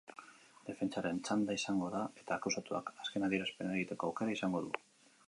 Defentsaren txanda izango da, eta akusatuak azken adierazpena egiteko aukera izango du.